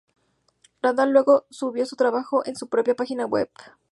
Randall luego subió su trabajo a su propia página web hollyrandall.com.